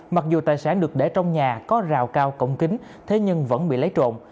mặc dù tài sản được để trong nhà có rào cao cổng kính thế nhưng vẫn bị lấy trộm